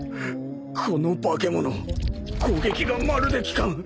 この化け物攻撃がまるで効かん。